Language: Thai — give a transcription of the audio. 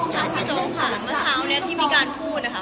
ถามพี่โจ๊กค่ะเมื่อเช้านี้ที่มีการพูดนะคะ